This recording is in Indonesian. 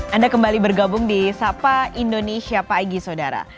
anda kembali bergabung di sapa indonesia pagi saudara